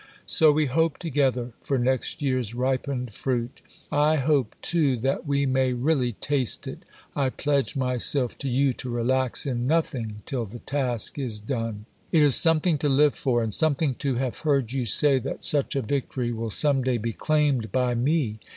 So we hope together for next year's ripened fruit. I hope, too, that we may really taste it. I pledge myself to you to relax in nothing till the task is done. It is something to live for, and something to have heard you say that such a victory will some day be claimed by me.